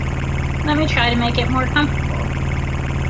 Let me try to make it more comfortable.